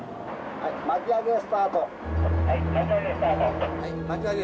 はい巻き上げスタート。